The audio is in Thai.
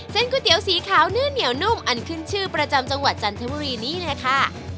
ก๋วยเตี๋ยวสีขาวเนื้อเหนียวนุ่มอันขึ้นชื่อประจำจังหวัดจันทบุรีนี่แหละค่ะ